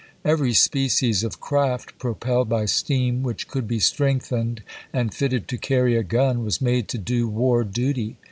Every species of craft pro pelled by steam, which could be strengthened and fitted to carry a gun, was made to do war duty.